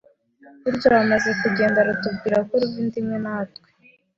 Burya wamaze kugenda rutubwira ko ruva inda imwe na twe